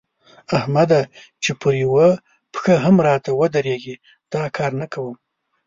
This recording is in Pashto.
احمده! چې پر يوه پښه هم راته ودرېږي؛ دا کار نه کوم.